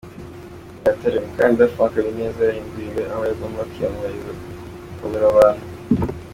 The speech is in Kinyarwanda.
Nyagatare: Umukandida Frank Habineza yahinduriwe aho yagombaga kwiyamamariza abura abantu.